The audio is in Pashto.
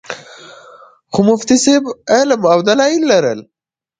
خو مفتي صېب علم او دلائل لرل